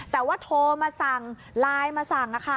แต่ว่าโทรมาสั่งไลน์มาสั่ง